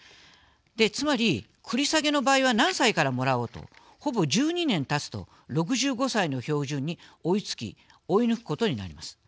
つまり、繰り下げの場合は何歳からもらおうとほぼ１２年たつと６５歳の標準に追いつき追い抜くことになります。